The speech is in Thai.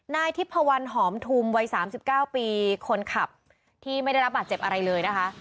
นายทิพพวันหอมทุมวัย๓๙ปีคนขับที่ไม่ได้รับบาดเจ็บอะไรเลยนะคะ